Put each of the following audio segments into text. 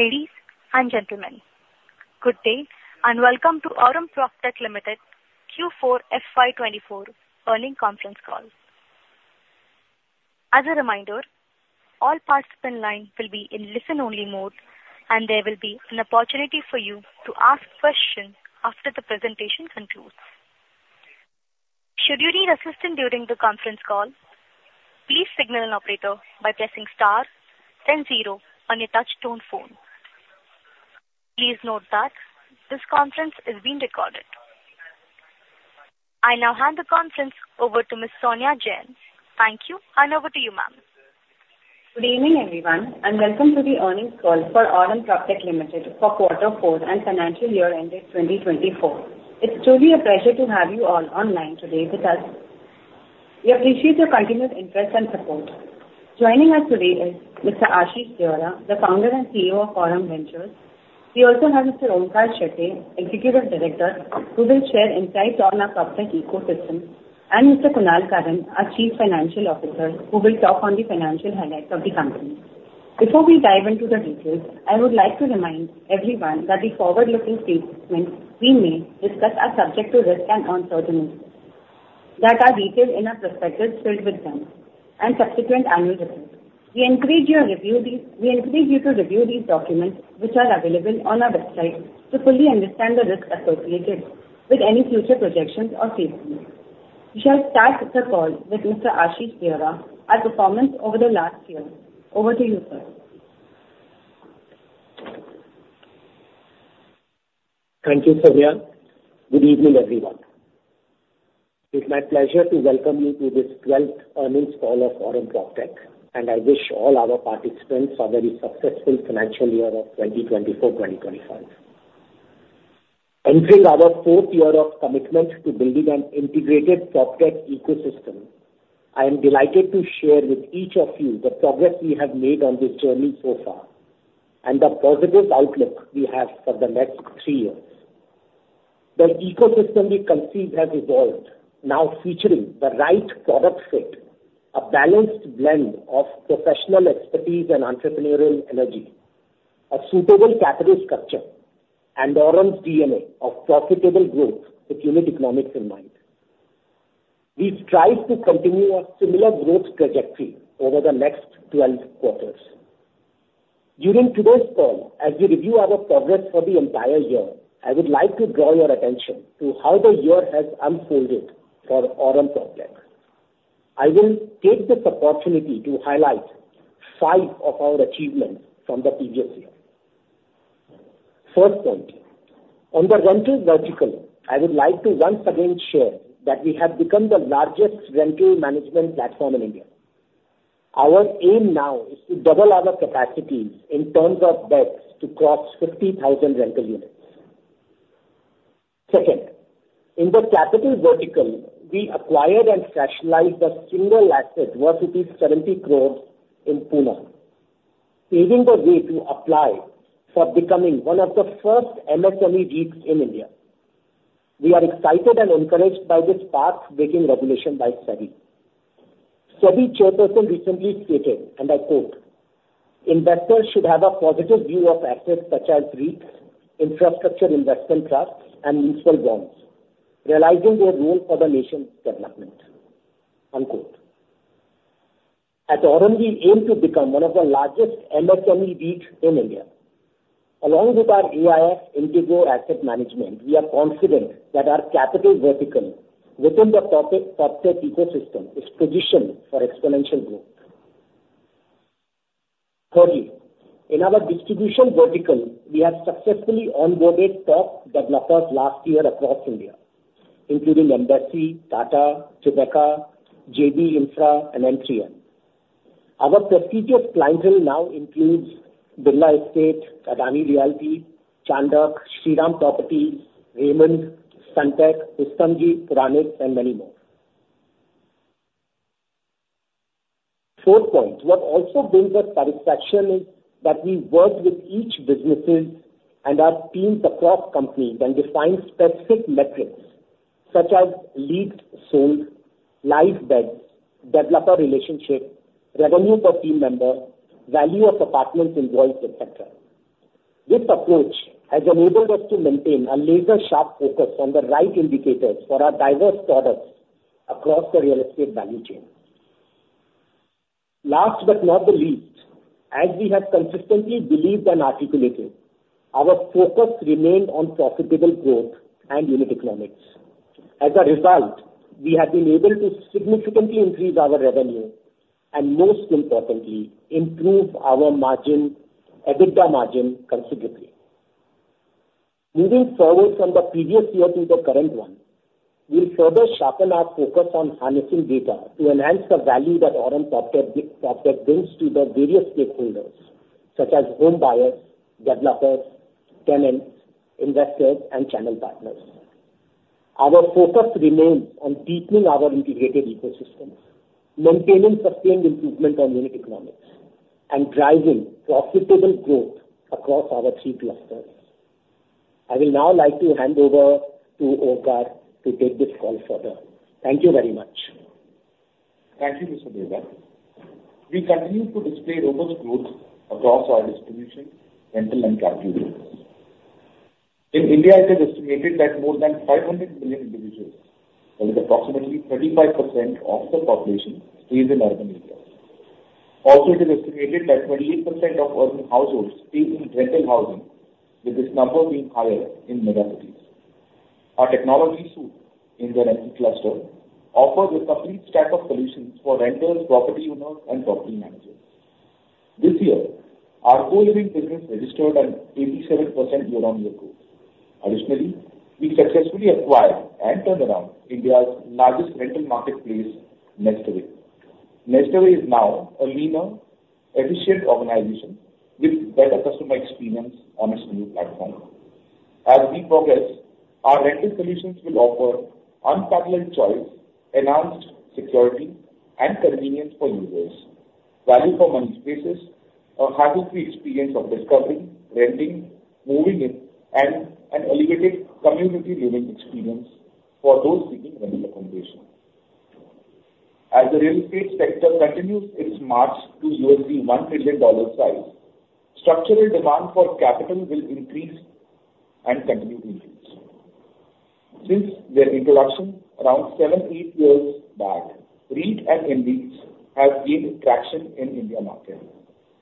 Ladies and gentlemen, good day and welcome to Aurum PropTech Limited Q4 FY 2024 earnings conference call. As a reminder, all participants' lines will be in listen-only mode, and there will be an opportunity for you to ask questions after the presentation concludes. Should you need assistance during the conference call, please signal an operator by pressing star then zero on your touch-tone phone. Please note that this conference is being recorded. I now hand the conference over to Ms. Sonia Jain. Thank you, and over to you, Ma'am. Good evening, everyone, and welcome to the earnings call for Aurum PropTech Limited for Q4 and financial year ending 2024. It's truly a pleasure to have you all online today with us. We appreciate your continued interest and support. Joining us today is Mr. Ashish Deora, the Founder and CEO of Aurum Ventures. We also have Mr. Onkar Shetye, Executive Director, who will share insights on our PropTech ecosystem, and Mr. Kunal Karan, our Chief Financial Officer, who will talk on the financial highlights of the company. Before we dive into the details, I would like to remind everyone that the forward-looking statements we make are subject to risk and uncertainty, that are detailed in our prospectus filed with NSE and subsequent annual reports. We encourage you to review these documents which are available on our website to fully understand the risks associated with any future projections or statements. We shall start the call with Mr. Ashish Deora, our performance over the last year. Over to you, sir. Thank you, Sonia. Good evening, everyone. It's my pleasure to welcome you to this 12th earnings call of Aurum PropTech, and I wish all our participants a very successful financial year of 2024-2025. Entering our fourth year of commitment to building an integrated PropTech ecosystem, I am delighted to share with each of you the progress we have made on this journey so far and the positive outlook we have for the next three years. The ecosystem we conceived has evolved, now featuring the right product fit, a balanced blend of professional expertise and entrepreneurial energy, a suitable capital structure, and Aurum's DNA of profitable growth with unit economics in mind. We strive to continue a similar growth trajectory over the next 12 quarters. During today's call, as we review our progress for the entire year, I would like to draw your attention to how the year has unfolded for Aurum PropTech. I will take this opportunity to highlight five of our achievements from the previous year. First point, on the rental vertical, I would like to once again share that we have become the largest rental management platform in India. Our aim now is to double our capacities in terms of beds to cross 50,000 rental units. Second, in the capital vertical, we acquired and specialized a single asset worth INR 70 crore in Pune, paving the way to apply for becoming one of the first MSME REITs in India. We are excited and encouraged by this path-breaking regulation by SEBI. SEBI Chairperson recently stated, and I quote, "Investors should have a positive view of assets such as REITs, infrastructure investment trusts, and municipal bonds, realizing their role for the nation's development." At Aurum, we aim to become one of the largest MSME REITs in India. Along with our AIF, Integrow Asset Management, we are confident that our capital vertical within the PropTech ecosystem is positioned for exponential growth. Thirdly, in our distribution vertical, we have successfully onboarded top developers last year across India, including Embassy, Tata, Tribeca, JB Infra, and M3M. Our prestigious clientele now includes Birla Estate, Adani Realty, Chandak, Shriram Properties, Raymond, Sunteck, Rustomjee, Puranik, and many more. Fourth point, what also brings us satisfaction is that we work with each business and our teams across companies and define specific metrics such as leads sold, live beds, developer relationship, revenue per team member, value of apartments involved, etc. This approach has enabled us to maintain a laser-sharp focus on the right indicators for our diverse products across the real estate value chain. Last but not the least, as we have consistently believed and articulated, our focus remained on profitable growth and unit economics. As a result, we have been able to significantly increase our revenue and, most importantly, improve our EBITDA margin considerably. Moving forward from the previous year to the current one, we'll further sharpen our focus on harnessing data to enhance the value that Aurum PropTech brings to the various stakeholders such as home buyers, developers, tenants, investors, and channel partners. Our focus remains on deepening our integrated ecosystems, maintaining sustained improvement on unit economics, and driving profitable growth across our three clusters. I will now like to hand over to Onkar to take this call further. Thank you very much. Thank you, Mr. Deora. We continue to display robust growth across our distribution, rental, and capital business. In India, it is estimated that more than 500 million individuals, that is, approximately 35% of the population, stays in urban areas. Also, it is estimated that 28% of urban households stay in rental housing, with this number being higher in megacities. Our technology suite in the rental cluster offers a complete stack of solutions for renters, property owners, and property managers. This year, our co-living business registered an 87% year-on-year growth. Additionally, we successfully acquired and turned around India's largest rental marketplace, NestAway. NestAway is now a leaner, efficient organization with better customer experience on its new platform. As we progress, our rental solutions will offer unparalleled choice, enhanced security, and convenience for users, value-for-money spaces, a hassle-free experience of discovering, renting, moving in, and an elevated community living experience for those seeking rental accommodation. As the real estate sector continues its march to $1 trillion size, structural demand for capital will increase and continue to increase. Since their introduction around seven to eight back, REITs and InvITs have gained traction in the Indian market,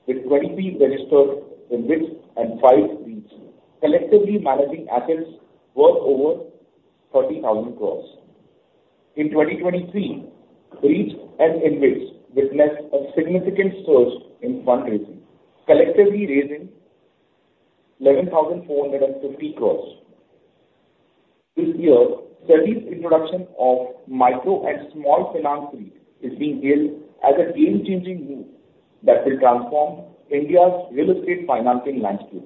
with 23 registered InvITs and five REITs collectively managing assets worth over 30,000 crore. In 2023, REITs and InvITs witnessed a significant surge in fundraising, collectively raising 11,450 crore. This year, SEBI's introduction of micro and small finance REITs is being hailed as a game-changing move that will transform India's real estate financing landscape.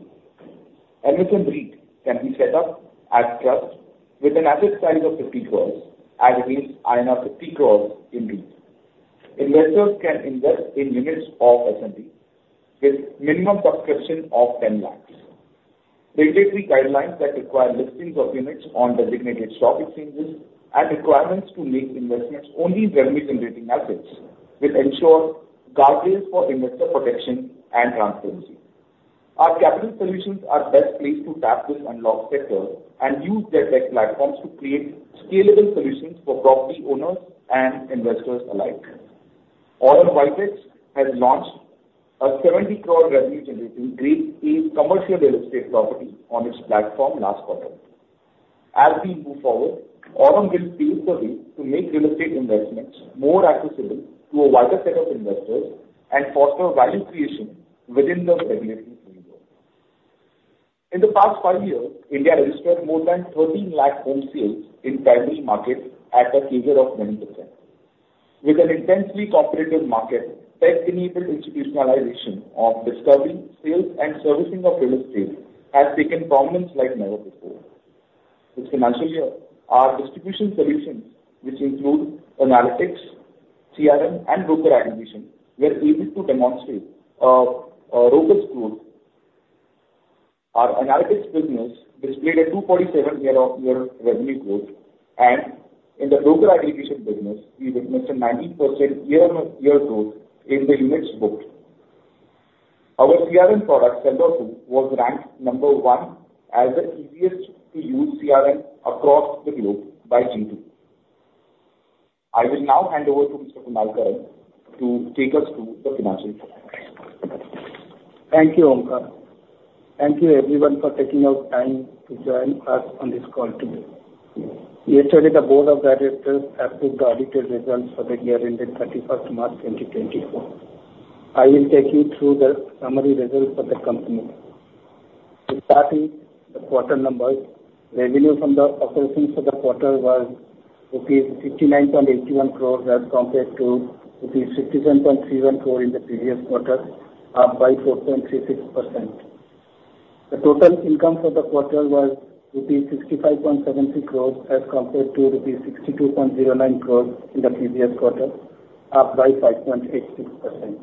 MSME REITs can be set up as trusts with an asset size of 50 crore as against INR 50 crore in REITs. Investors can invest in units of SMEs with minimum subscription of 10 lakh, regulatory guidelines that require listings of units on designated stock exchanges, and requirements to make investments only in revenue-generating assets which ensure guardrails for investor protection and transparency. Our capital solutions are the best place to tap this unlocked sector and use their tech platforms to create scalable solutions for property owners and investors alike. Aurum WiseX has launched a 70 crore revenue-generating Grade A commercial real estate property on its platform last quarter. As we move forward, Aurum will pave the way to make real estate investments more accessible to a wider set of investors and foster value creation within the regulatory framework. In the past five years, India registered more than 13 lakh home sales in primary markets at a CAGR of 20%. With an intensely competitive market, tech-enabled institutionalization of discovery, sales, and servicing of real estate has taken prominence like never before. This financial year, our distribution solutions, which include analytics, CRM, and broker aggregation, were able to demonstrate a robust growth. Our analytics business displayed a 247% year-over-year revenue growth, and in the broker aggregation business, we witnessed a 19% year-over-year growth in the units booked. Our CRM product, Sell.Do, was ranked number one as the easiest-to-use CRM across the globe by G2. I will now hand over to Mr. Kunal Karan to take us through the financial call. Thank you, Onkar. Thank you, everyone, for taking out time to join us on this call today. Yesterday, the Board of Directors approved the audited results for the year ending 31st March 2024. I will take you through the summary results for the company. To start with, the quarter numbers. Revenue from the operations for the quarter was rupees 59.81 crore as compared to rupees 57.31 crore in the previous quarter, up by 4.36%. The total income for the quarter was rupees 65.73 crore as compared to rupees 62.09 crore in the previous quarter, up by 5.86%.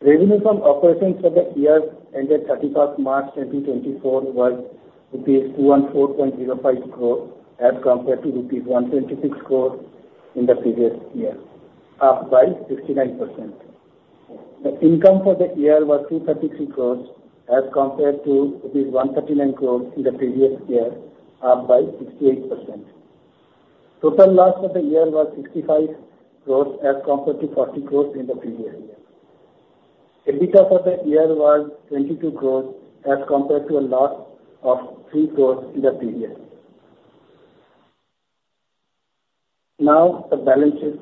Revenue from operations for the year ending 31st March 2024 was INR 214.05 crore as compared to INR 126 crore in the previous year, up by 69%. The income for the year was 233 crore as compared to 139 crore in the previous year, up by 68%. Total loss for the year was 65 crore as compared to 40 crore in the previous year. EBITDA for the year was 22 crore as compared to a loss of 3 crore in the previous year. Now, the balances.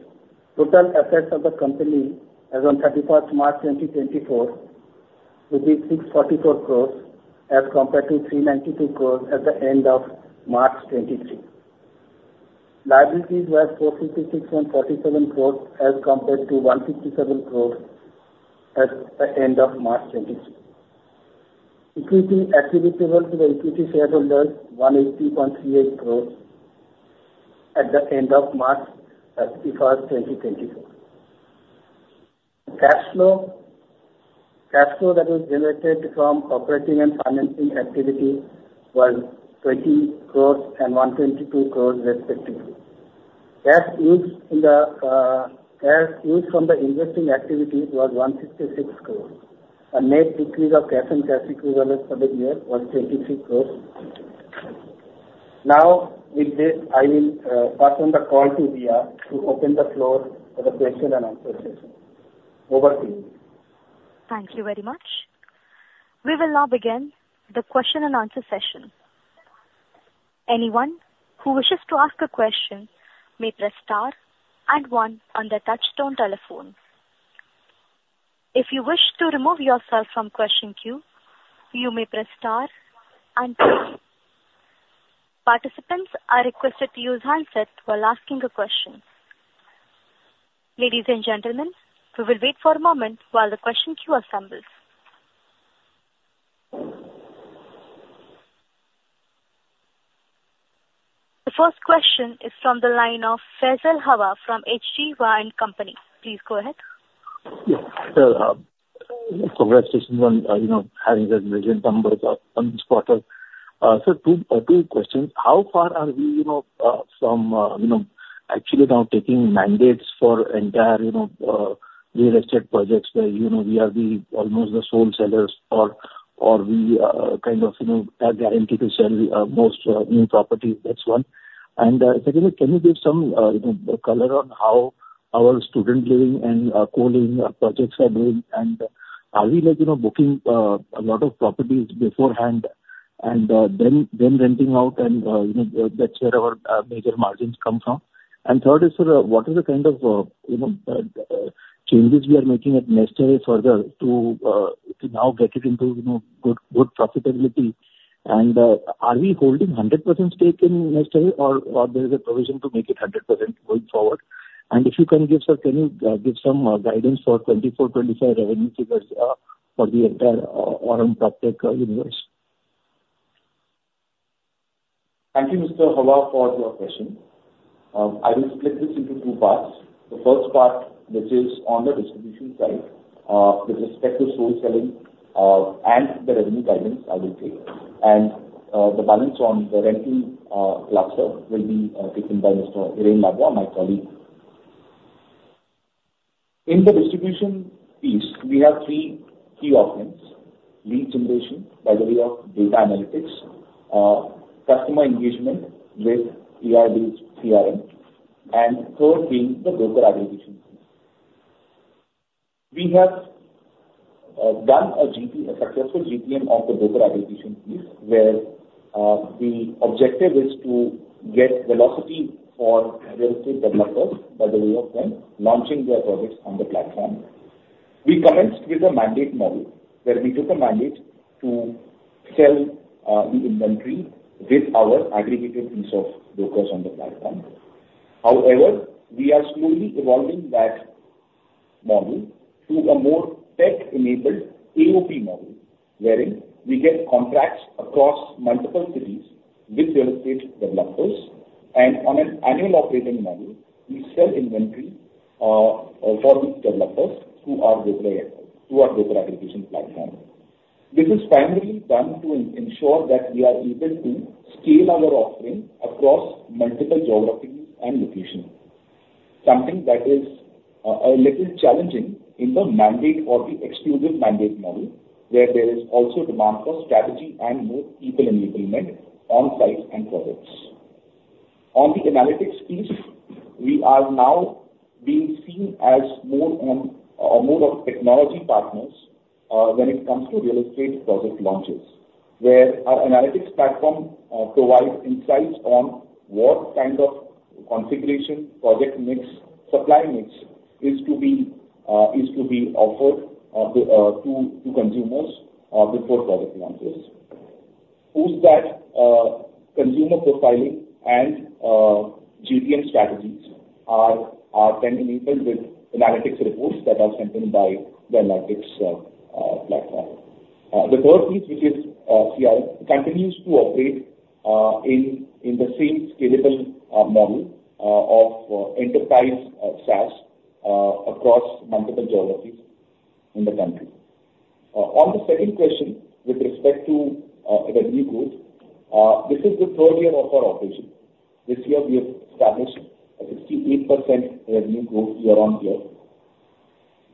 Total assets of the company as on 31st March 2024 would be 644 crore as compared to 392 crore at the end of March 2023. Liabilities were 456.47 crore as compared to 157 crore at the end of March 2023. Equity attributable to the equity shareholders, 180.38 crore at the end of March 31st, 2024. Cash flow. Cash flow that was generated from operating and financing activity was 20 crore and 122 crore, respectively. Cash used from the investing activity was 166 crore. A net decrease of cash and cash equivalents for the year was 23 crore. Now, I will pass on the call to Riya to open the floor for the question and answer session. Over to you. Thank you very much. We will now begin the question and answer session. Anyone who wishes to ask a question may press star and one on the touchtone telephone. If you wish to remove yourself from question queue, you may press star and two. Participants are requested to use handset while asking a question. Ladies and gentlemen, we will wait for a moment while the question queue assembles. The first question is from the line of Faisal Hawa from H.G. Hawa & Co. Please go ahead. Yes, Faisal. Congratulations on having such brilliant numbers on this quarter. Sir, two questions. How far are we from actually now taking mandates for entire real estate projects where we are almost the sole sellers or we kind of are guaranteed to sell most new properties? That's one. And secondly, can you give some color on how our student living and co-living projects are doing? And are we booking a lot of properties beforehand and then renting out? And that's where our major margins come from. And third is, Sir, what are the kind of changes we are making at NestAway further to now get it into good profitability? And are we holding 100% stake in NestAway, or there is a provision to make it 100% going forward? If you can give, Sir, can you give some guidance for 2024/2025 revenue figures for the entire Aurum PropTech universe? Thank you, Mr. Hawa, for your question. I will split this into two parts. The first part, which is on the distribution side, with respect to sole selling and the revenue guidance, I will take. The balance on the rental cluster will be taken by Mr. Hiren Ladva, my colleague. In the distribution piece, we have three key options: lead generation by the way of data analytics, customer engagement with AI-based CRM, and third being the broker aggregation piece. We have done a successful GTM of the broker aggregation piece where the objective is to get velocity for real estate developers by the way of them launching their projects on the platform. We commenced with a mandate model where we took a mandate to sell the inventory with our aggregated piece of brokers on the platform. However, we are slowly evolving that model to a more tech-enabled AOP model wherein we get contracts across multiple cities with real estate developers. On an annual operating model, we sell inventory for these developers through our broker aggregation platform. This is primarily done to ensure that we are able to scale our offering across multiple geographies and locations, something that is a little challenging in the mandate or the exclusive mandate model where there is also demand for strategy and more people enablement on-site and projects. On the analytics piece, we are now being seen as more of technology partners when it comes to real estate project launches where our analytics platform provides insights on what kind of configuration, project mix, supply mix is to be offered to consumers before project launches. Post that, consumer profiling and GTM strategies are then enabled with analytics reports that are sent in by the analytics platform. The third piece, which is CRM, continues to operate in the same scalable model of enterprise SaaS across multiple geographies in the country. On the second question, with respect to revenue growth, this is the third year of our operation. This year, we have established a 68% revenue growth year-on-year.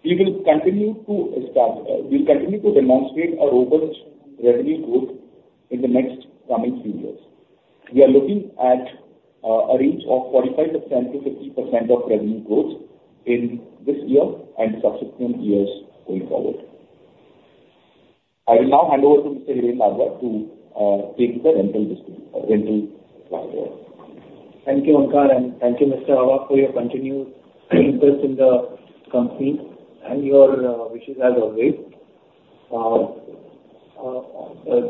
We will continue to demonstrate a robust revenue growth in the next coming few years. We are looking at a range of 45%-50% of revenue growth in this year and subsequent years going forward. I will now hand over to Mr. Hiren Ladva to take the rental platform. Thank you, Onkar, and thank you, Mr. Hawa, for your continued interest in the company and your wishes, as always.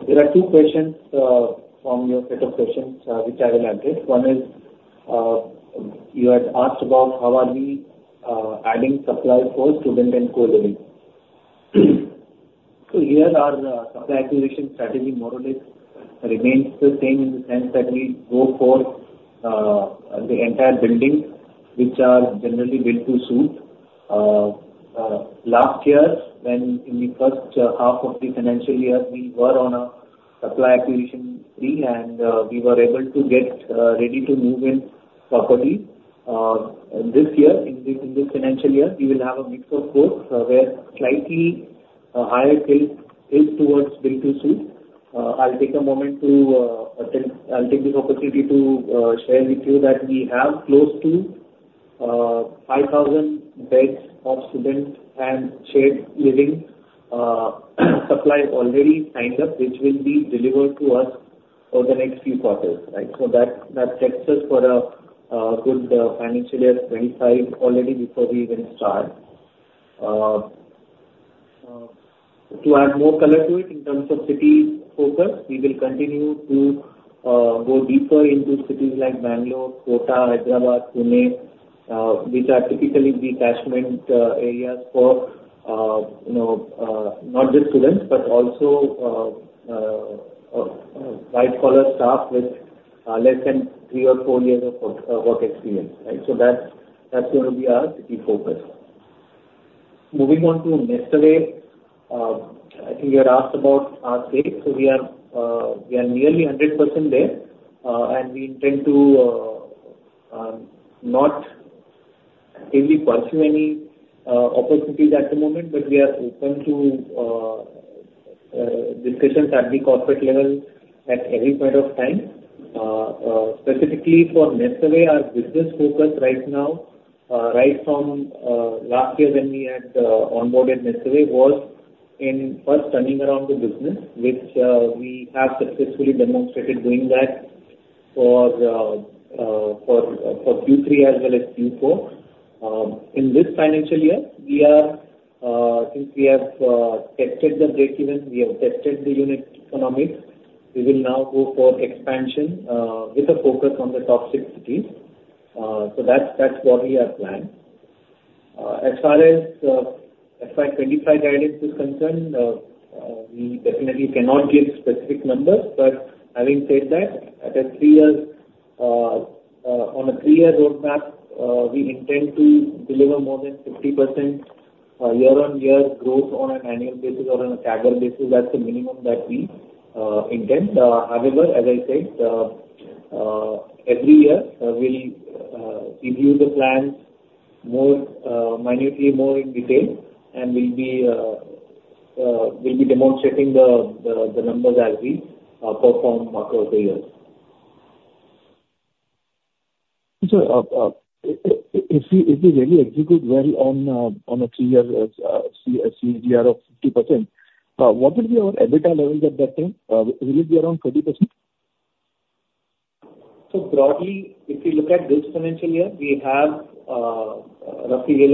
There are two questions from your set of questions which I will address. One is you had asked about how are we adding supply for student and co-living. So here are the supply acquisition strategy more or less. It remains the same in the sense that we go for the entire buildings, which are generally built to suit. Last year, when in the first half of the financial year, we were on a supply acquisition spree, and we were able to get ready to move in properties. This year, in this financial year, we will have a mix of both where slightly higher tilt is towards built to suit. I'll take this opportunity to share with you that we have close to 5,000 beds of student and shared living supply already signed up, which will be delivered to us over the next few quarters, right? So that sets us for a good financial year 2025 already before we even start. To add more color to it in terms of city focus, we will continue to go deeper into cities like Bangalore, Kota, Hyderabad, Pune, which are typically the attachment areas for not just students but also white-collar staff with less than three or four years of work experience, right? So that's going to be our city focus. Moving on to NestAway, I think you had asked about our state. So we are nearly 100% there, and we intend to not actively pursue any opportunities at the moment, but we are open to discussions at the corporate level at every point of time. Specifically for NestAway, our business focus right now, right from last year when we had onboarded NestAway, was in first turning around the business, which we have successfully demonstrated doing that for Q3 as well as Q4. In this financial year, since we have tested the breakeven, we have tested the unit economics, we will now go for expansion with a focus on the top six cities. So that's what we have planned. As far as FY 2025 guidance is concerned, we definitely cannot give specific numbers. But having said that, on a three-year roadmap, we intend to deliver more than 50% year-on-year growth on an annual basis or on a staggered basis. That's the minimum that we intend. However, as I said, every year, we'll review the plans minutely more in detail and will be demonstrating the numbers as we perform across the years. Sir, if we really execute well on a three-year CAGR of 50%, what will be our EBITDA levels at that time? Will it be around 30%? Broadly, if you look at this financial year, we have roughly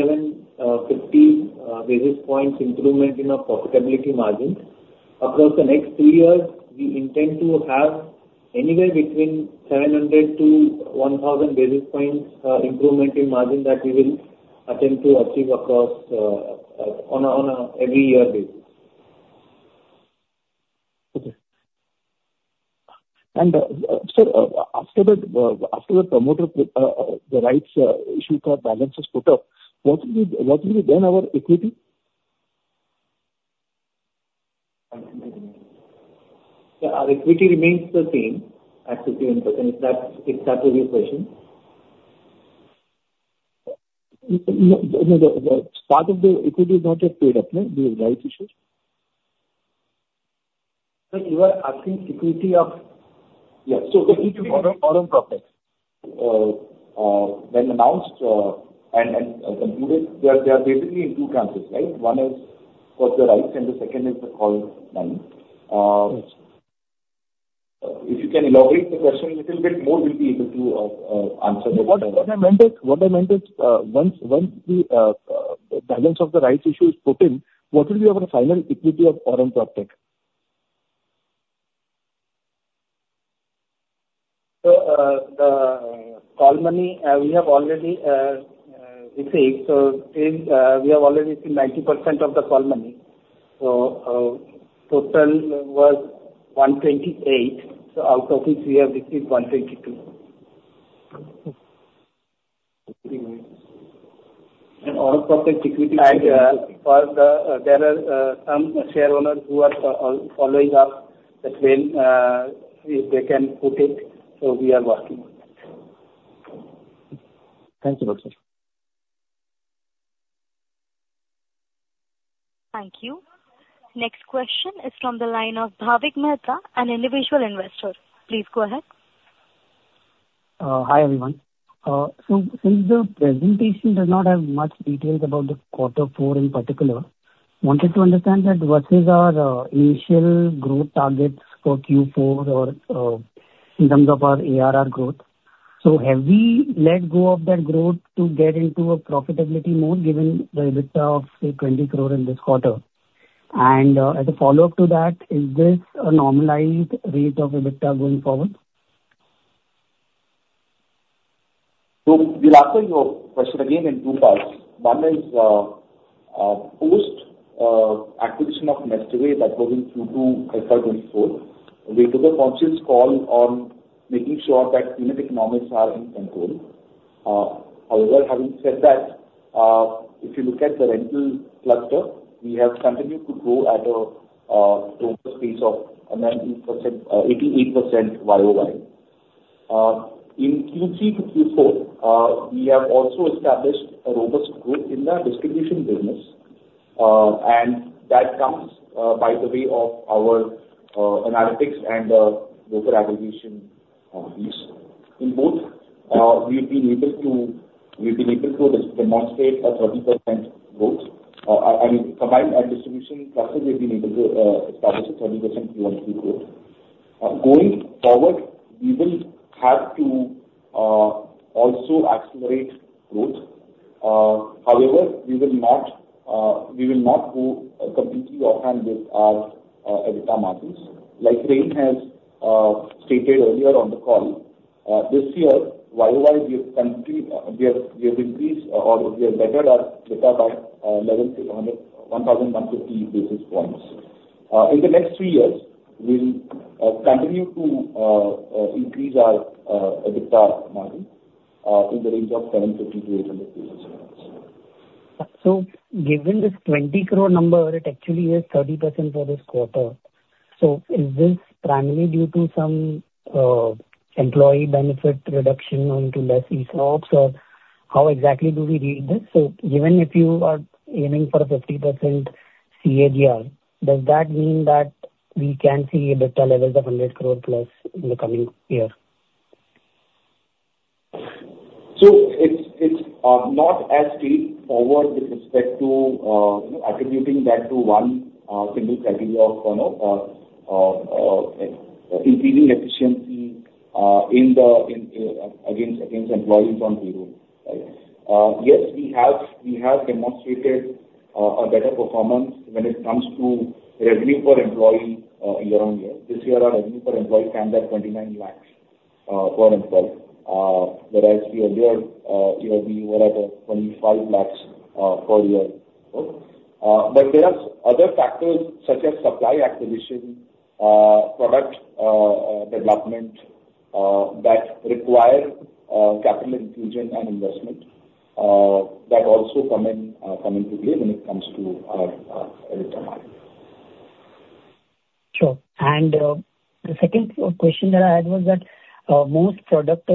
11-15 basis points improvement in our profitability margin. Across the next three years, we intend to have anywhere between 700-1,000 basis points improvement in margin that we will attempt to achieve on an every-year basis. Okay. Sir, after the promoter the rights issue capital balances put up, what will be then our equity? Our equity remains the same at 51%. Is that what your question? No, part of the equity is not yet paid up, right? The rights issues? Sir, you are asking about equity, yeah? So the equity of Aurum PropTech when announced and concluded, they are basically in two components, right? One is for the rights and the second is the call money. If you can elaborate the question a little bit more, we'll be able to answer that. What I meant is once the balance of the rights issue is put in, what will be our final equity of Aurum PropTech? The call money, we have already received. We have already received 90% of the call money. Total was 128. Out of this, we have received 122. Aurum PropTech equity is still. There are some shareholders who are following up that when they can put it. We are working on it. Thank you very much, Sir. Thank you. Next question is from the line of Bhavik Mehta, an individual investor. Please go ahead. Hi, everyone. Since the presentation does not have much details about the quarter four in particular, I wanted to understand that what are our initial growth targets for Q4 in terms of our ARR growth? So have we let go of that growth to get into a profitability mode given the EBITDA of, say, 20 crore in this quarter? And as a follow-up to that, is this a normalized rate of EBITDA going forward? So we'll answer your question again in two parts. One is post-acquisition of NestAway that was in Q2, FY 2024, we took a conscious call on making sure that unit economics are in control. However, having said that, if you look at the rental cluster, we have continued to grow at a robust pace of around 88% YoY. In Q3 to Q4, we have also established a robust growth in the distribution business. And that comes by the way of our analytics and broker aggregation piece. In both, we've been able to demonstrate a 30% growth. I mean, combined and distribution cluster, we've been able to establish a 30% Q1 through Q2. Going forward, we will have to also accelerate growth. However, we will not go completely offhand with our EBITDA margins. Like Hiren has stated earlier on the call, this year, YoY, we have increased or we have bettered our EBITDA by 1,150 basis points. In the next three years, we'll continue to increase our EBITDA margin in the range of 750-800 basis points. So given this 20 crore number, it actually is 30% for this quarter. So is this primarily due to some employee benefit reduction into less ESOPs, or how exactly do we read this? So given if you are aiming for a 50% CAGR, does that mean that we can see EBITDA levels of 100 crore+ in the coming year? So it's not as straightforward with respect to attributing that to one single criteria of increasing efficiency against employees on payroll, right? Yes, we have demonstrated a better performance when it comes to revenue per employee year-over-year. This year, our revenue per employee stands at 29 lakh per employee, whereas the year before, we were at 25 lakh per year. But there are other factors such as supply acquisition, product development that require capital inclusion and investment that also come into play when it comes to our EBITDA margin. Sure. And the second question that I had was that most product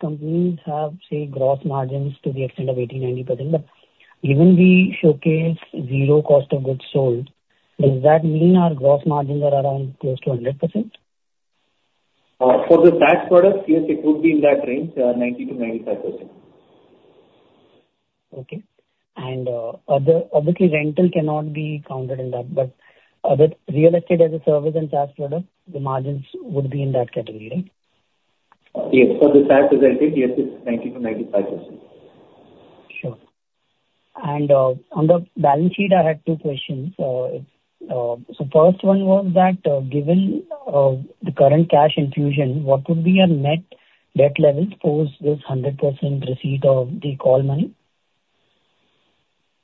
companies have, say, gross margins to the extent of 80%-90%. But given we showcase zero cost of goods sold, does that mean our gross margins are around close to 100%? For the SaaS products, yes, it would be in that range, 90%-95%. Okay. Obviously, rental cannot be counted in that. But real estate as a service and SaaS product, the margins would be in that category, right? Yes. For the SaaS as an entity, yes, it's 90%-95%. Sure. And on the balance sheet, I had two questions. So first one was that given the current cash infusion, what would be our net debt levels post this 100% receipt of the call money?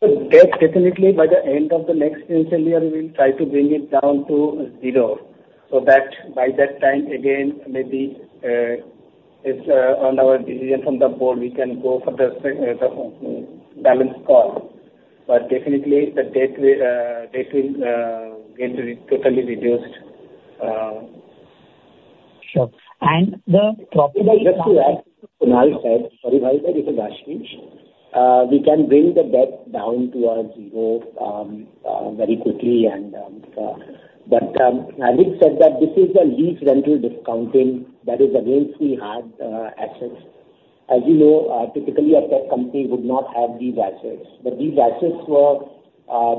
Definitely, by the end of the next financial year, we will try to bring it down to zero so that by that time, again, maybe it's on our decision from the board we can go for the balance call. But definitely, the debt will get totally reduced. Sure. And the property. Just to add to what Kunal said, sorry, Bhavik, this is Ashish. We can bring the debt down to zero very quickly. But Bhavik said that this is a lease rental discounting that is against the hard assets. As you know, typically, a tech company would not have these assets. But these assets were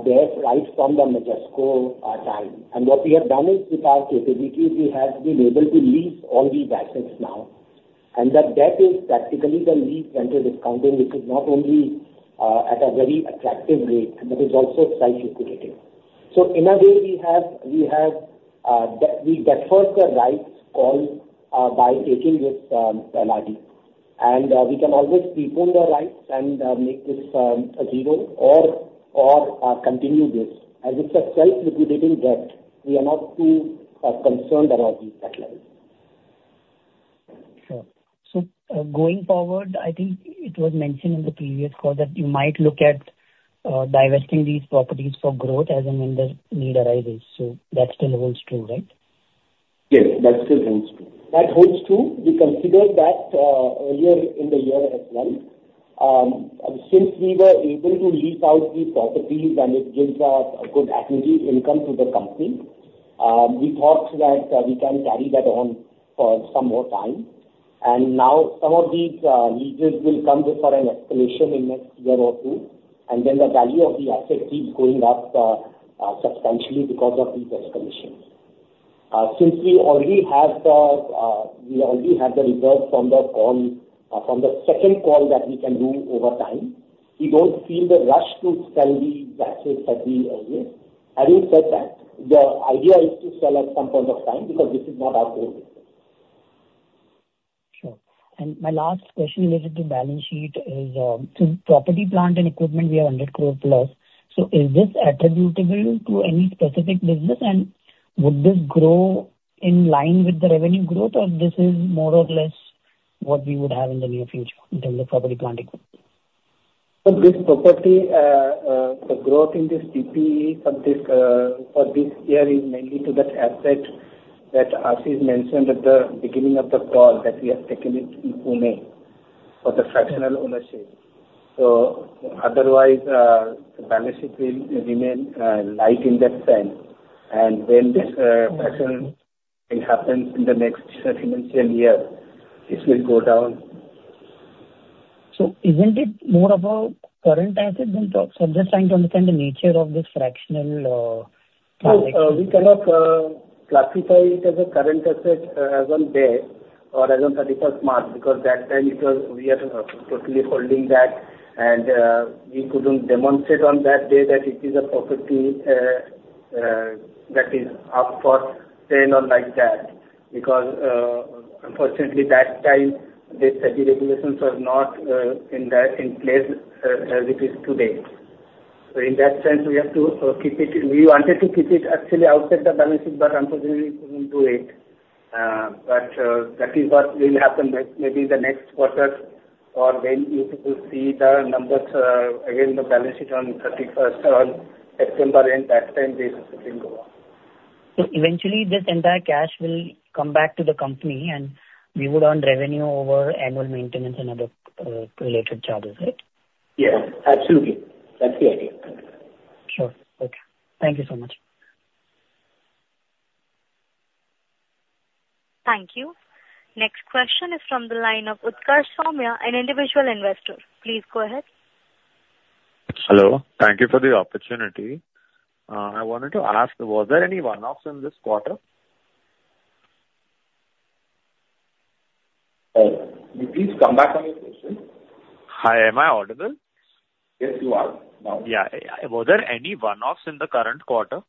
there right from the Majesco time. And what we have done is with our capabilities, we have been able to lease all these assets now. And that debt is practically the lease rental discounting, which is not only at a very attractive rate, but it's also self-liquidated. So in a way, we defer the rights call by taking this LRD. And we can always prepone the rights and make this a zero or continue this. As it's a self-liquidating debt, we are not too concerned about these debt levels. Sure. So going forward, I think it was mentioned in the previous call that you might look at divesting these properties for growth as and when the need arises. So that still holds true, right? Yes, that still holds true. That holds true. We considered that earlier in the year as well. Since we were able to lease out the properties and it gives us a good equity income to the company, we thought that we can carry that on for some more time. And now, some of these leases will come before an escalation in next year or two. And then the value of the asset keeps going up substantially because of these escalations. Since we already have the results from the second call that we can do over time, we don't feel the rush to sell these assets that we already have. Having said that, the idea is to sell at some point of time because this is not our core business. Sure. And my last question related to balance sheet is, since property plant and equipment, we have 100 crore+. So is this attributable to any specific business? And would this grow in line with the revenue growth, or this is more or less what we would have in the near future in terms of property plant equipment? For this property, the growth in this PPE for this year is mainly to that asset that Ashish mentioned at the beginning of the call that we have taken it in Pune for the fractional ownership. So otherwise, the balance sheet will remain light in that sense. When this fractional thing happens in the next financial year, this will go down. Isn't it more of a current asset than so I'm just trying to understand the nature of this fractional project? So we cannot classify it as a current asset as on day or as on 31st March because that time, we are totally holding that. We couldn't demonstrate on that day that it is a property that is up for sale or like that because unfortunately, that time, the safety regulations were not in place as it is today. So in that sense, we have to keep it. We wanted to keep it actually outside the balance sheet, but unfortunately, we couldn't do it. That is what will happen maybe in the next quarter or when you will see the numbers again, the balance sheet on September end. That time this will go up. Eventually, this entire cash will come back to the company, and we would earn revenue over annual maintenance and other related charges, right? Yes, absolutely. That's the idea. Sure. Okay. Thank you so much. Thank you. Next question is from the line of Utkarsh Somaiya, an individual investor. Please go ahead. Hello. Thank you for the opportunity. I wanted to ask, was there any one-offs in this quarter? Please come back on your question. Hi. Am I audible? Yes, you are now. Yeah. Were there any one-offs in the current quarter?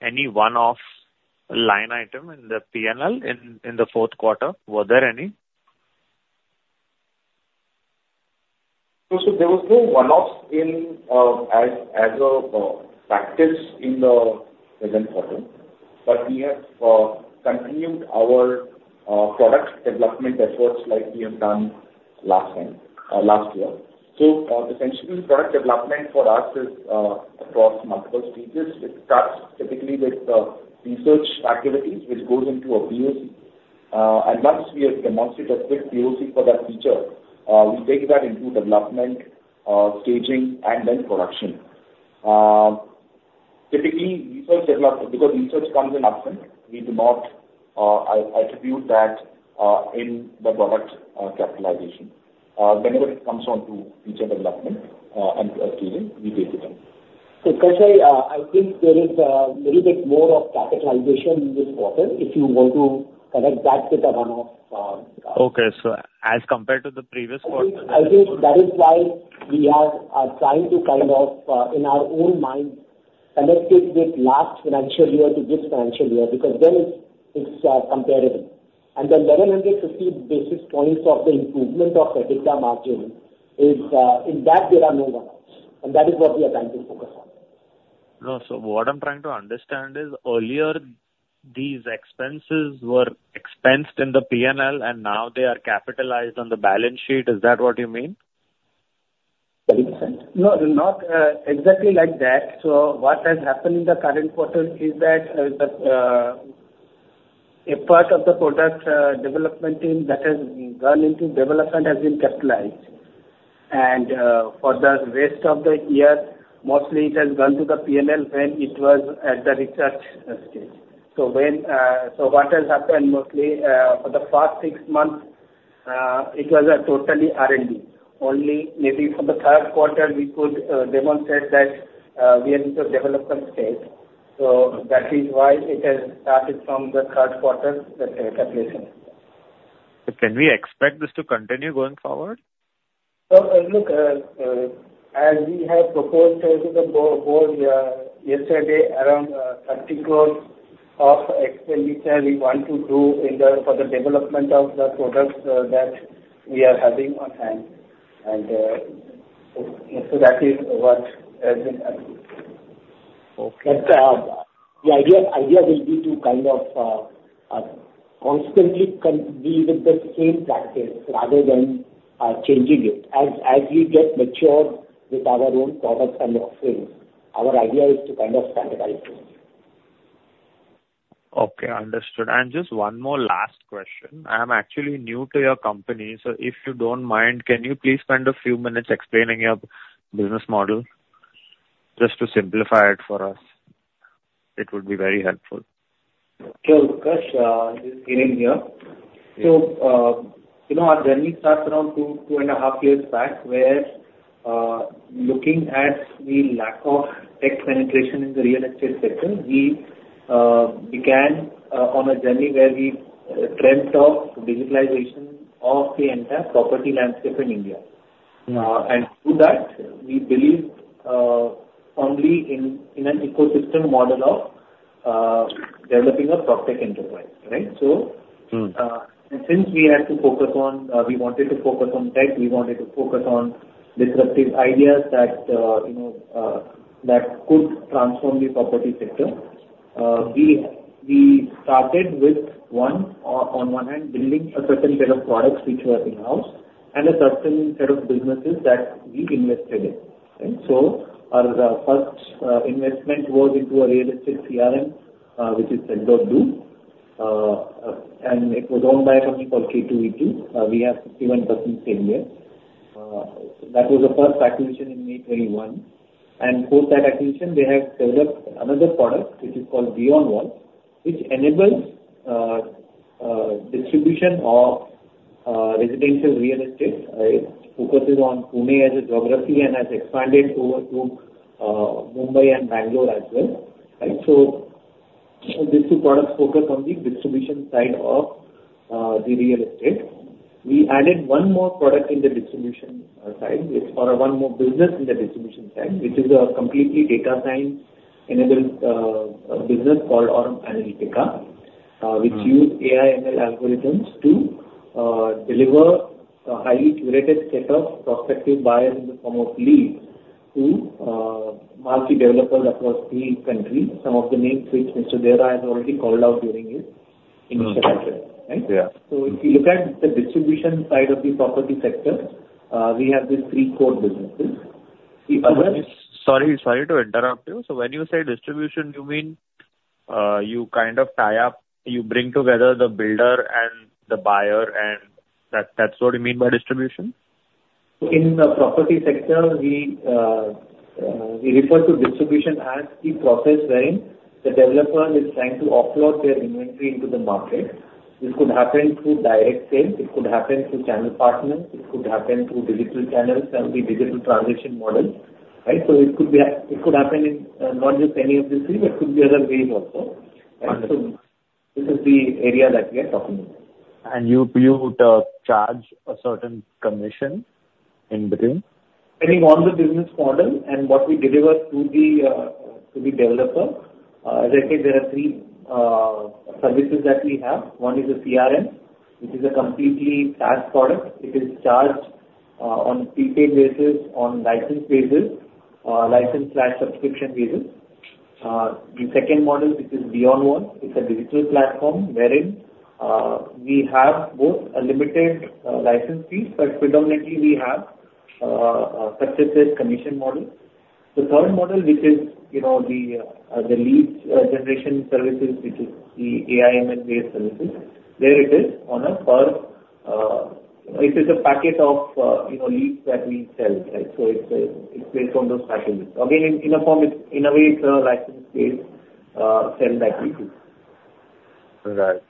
Any one-off line item in the P&L in the fourth quarter? Were there any? So there was no one-offs as a practice in the present quarter. But we have continued our product development efforts like we have done last year. So essentially, product development for us is across multiple stages. It starts typically with research activities, which goes into a POC. And once we have demonstrated a good POC for that feature, we take that into development, staging, and then production. Typically, because research comes in absent, we do not attribute that in the product capitalization. Whenever it comes on to feature development and scaling, we take it in. Actually, I think there is a little bit more of capitalization in this quarter if you want to connect that with the one-off. Okay. So as compared to the previous quarter? I think that is why we are trying to kind of, in our own minds, connect it with last financial year to this financial year because then it's comparable. And the 1,150 basis points of the improvement of EBITDA margin is in that. There are no one-offs. And that is what we are trying to focus on. No. So what I'm trying to understand is earlier, these expenses were expensed in the P&L, and now they are capitalized on the balance sheet. Is that what you mean? No, not exactly like that. So what has happened in the current quarter is that a part of the product development team that has gone into development has been capitalized. And for the rest of the year, mostly, it has gone to the P&L when it was at the research stage. So what has happened mostly, for the first six months, it was totally R&D. Only maybe for the third quarter, we could demonstrate that we are into development stage. So that is why it has started from the third quarter, the calculation. Can we expect this to continue going forward? Look, as we have proposed to the board yesterday, around 30 crore of expenditure we want to do for the development of the products that we are having on hand. And so that is what has been asked. Okay. The idea will be to kind of constantly be with the same practice rather than changing it. As we get mature with our own products and offerings, our idea is to kind of standardize this. Okay. Understood. Just one more last question. I am actually new to your company. If you don't mind, can you please spend a few minutes explaining your business model just to simplify it for us? It would be very helpful. Sure. Utkarsh, this is Hiren here. So our journey starts around 2.5 years back where, looking at the lack of tech penetration in the real estate sector, we began on a journey where we dreamt of digitalization of the entire property landscape in India. And to do that, we believed only in an ecosystem model of developing a PropTech enterprise, right? And since we had to focus on we wanted to focus on tech. We wanted to focus on disruptive ideas that could transform the property sector. We started with, on one hand, building a certain set of products which were in-house and a certain set of businesses that we invested in, right? So our first investment was into a real estate CRM, which is Sell.Do. And it was owned by a company called K2V2. We have 51% share there. That was the first acquisition in May 2021. And post that acquisition, they have developed another product, which is called BeyondWalls, which enables distribution of residential real estate. It focuses on Pune as a geography and has expanded over to Mumbai and Bangalore as well, right? So these two products focus on the distribution side of the real estate. We added one more product in the distribution side or one more business in the distribution side, which is a completely data science-enabled business called Aurum Analytica, which uses AI/ML algorithms to deliver a highly curated set of prospective buyers in the form of leads to multiple developers across the country. Some of the names, which Mr. Deora has already called out during his initial address, right? So if you look at the distribution side of the property sector, we have these three core businesses. The other. Sorry to interrupt you. So when you say distribution, you mean you kind of tie up you bring together the builder and the buyer. And that's what you mean by distribution? So in the property sector, we refer to distribution as the process wherein the developer is trying to offload their inventory into the market. This could happen through direct sale. It could happen through channel partners. It could happen through digital channels and the digital transaction model, right? So it could happen in not just any of these three, but it could be other ways also, right? So this is the area that we are talking about. You would charge a certain commission in between? Depending on the business model and what we deliver to the developer. As I said, there are three services that we have. One is a CRM, which is a completely SaaS product. It is charged on prepaid basis, on license basis, license/subscription basis. The second model, which is BeyondWalls, it's a digital platform wherein we have both a limited license fee, but predominantly, we have such as this commission model. The third model, which is the leads generation services, which is the AI/ML-based services, there it is on a per it is a packet of leads that we sell, right? So it's based on those packages. Again, in a way, it's a license-based sale that we do. Right.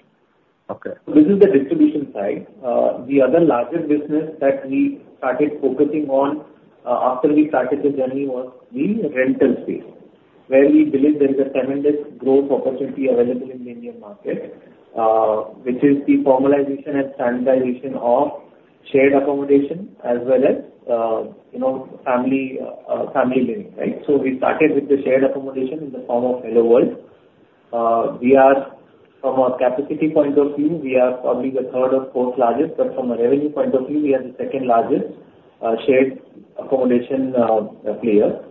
Okay. So this is the distribution side. The other largest business that we started focusing on after we started the journey was the rental space where we believe there is a tremendous growth opportunity available in the Indian market, which is the formalization and standardization of shared accommodation as well as family living, right? So we started with the shared accommodation in the form of HelloWorld. From a capacity point of view, we are probably the third or fourth largest, but from a revenue point of view, we are the second largest shared accommodation player.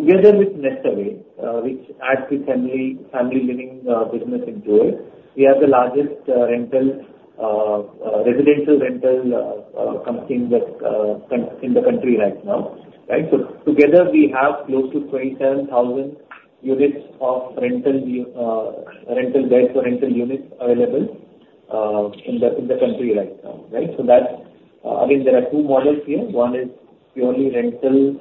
Together with NestAway, which adds this family living business into it, we are the largest residential rental company in the country right now, right? So together, we have close to 27,000 units of rental beds or rental units available in the country right now, right? So again, there are two models here. One is purely rental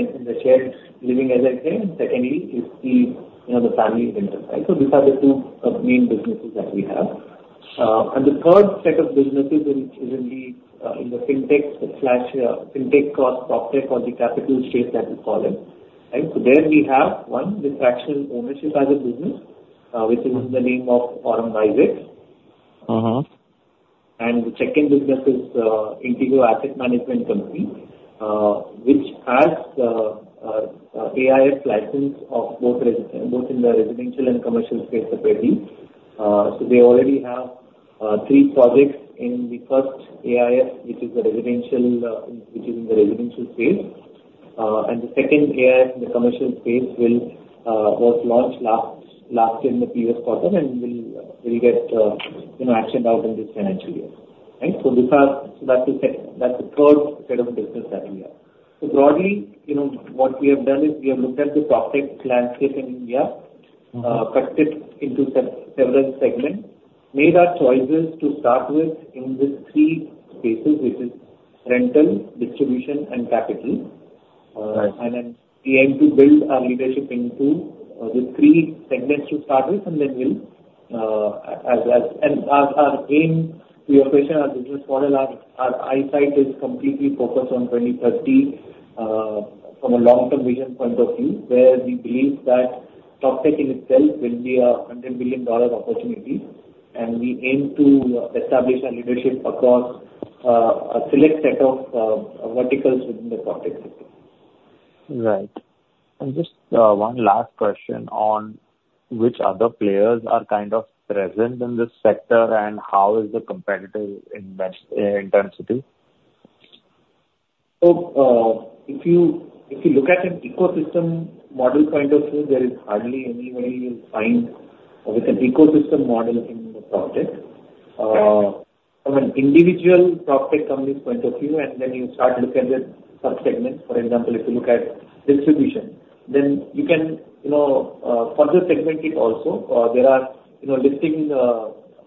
in the shared living, as I said. Secondly is the family rental, right? So these are the two main businesses that we have. And the third set of businesses is in the FinTech or PropTech, or the capital side that we call it, right? So there, we have one, the fractional ownership as a business, which is in the name of Aurum WiseX. And the second business is Integrow Asset Management Company, which has the AIF license both in the residential and commercial space separately. So they already have three projects in the first AIF, which is the residential which is in the residential space. And the second AIF in the commercial space was launched last year in the previous quarter and will get actioned out in this financial year, right? So that's the third set of business that we have. Broadly, what we have done is we have looked at the PropTech landscape in India, cut it into several segments, made our choices to start with in these three spaces, which is rental, distribution, and capital. And then we aim to build our leadership into these three segments to start with, and then we'll and our aim to operate our business model, our eyesight is completely focused on 2030 from a long-term vision point of view where we believe that PropTech in itself will be a $100 billion opportunity. And we aim to establish our leadership across a select set of verticals within the PropTech sector. Right. Just one last question on which other players are kind of present in this sector, and how is the competitive intensity? So if you look at an ecosystem model point of view, there is hardly anybody you'll find with an ecosystem model in the PropTech. From an individual PropTech company's point of view, and then you start looking at subsegments. For example, if you look at distribution, then you can for the segmented also, there are listing